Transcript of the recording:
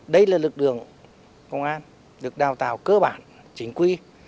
đây là lực đường công an được đào tạo cơ bản chính quy